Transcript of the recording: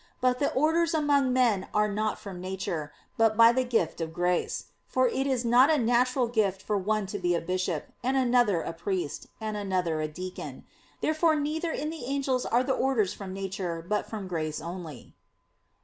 But the orders among men are not from nature, but by the gift of grace; for it is not a natural gift for one to be a bishop, and another a priest, and another a deacon. Therefore neither in the angels are the orders from nature, but from grace only.